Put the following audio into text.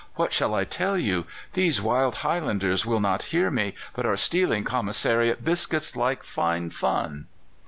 What shall I tell you? These wild Highlanders will not hear me, but are stealing commissariat biscuits like fine fun!